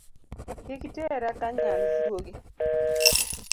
Kik itera ka nyand guogi